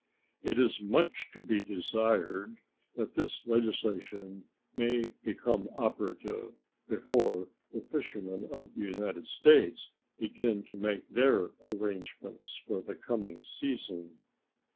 It is much to be desired that this legislation may become operative before the fishermen of the United States begin to make their arrangements for the coming season.